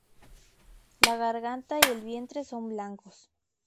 La garganta y el vientre son blancos.